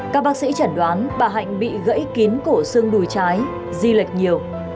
các bác sĩ chẩn đoán bà hạnh bị gãy kín cổ xương đùi trái di lệch nhiều